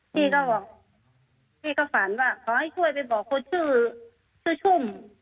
แต่พี่ก็ฝันว่าขอให้ช่วยไปบอกคนชื่อชุ่ม